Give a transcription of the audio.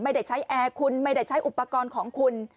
ไม่ได้ใช้แอร์คุณไม่ได้ใช้อุปกรณ์ของคุณ